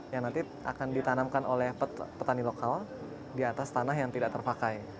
yang nanti akan ditanamkan oleh petani lokal di atas tanah yang tidak terpakai